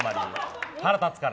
腹立つから。